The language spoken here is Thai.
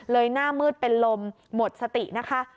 หน้ามืดเป็นลมหมดสตินะคะ